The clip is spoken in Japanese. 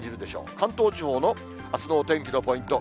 関東地方のあすのお天気のポイント。